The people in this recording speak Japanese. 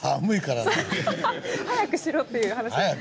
早くしろっていう話で？